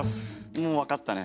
もう分かったね。